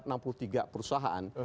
ada sekitar enam puluh tiga perusahaan